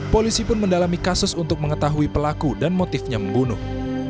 polisi pun mendalami kasus untuk mengetahui pelaku dan motifnya membunuh